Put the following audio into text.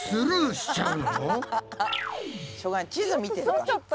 しょうがない地図見て。